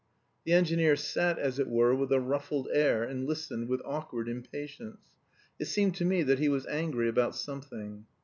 The engineer sat, as it were, with a ruffled air, and listened with awkward impatience. It seemed to me that he was angry about something.